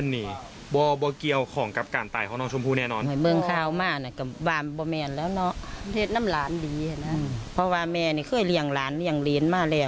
เห็นแล้วมีความจริงเงิน